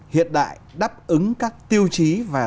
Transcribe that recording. hiện đại đáp ứng các tiêu chí